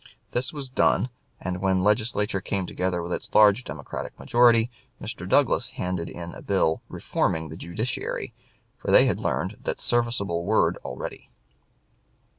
This was done, and when the Legislature came together with its large Democratic majority, Mr. Douglas handed in a bill "reforming" the Judiciary for they had learned that serviceable word already.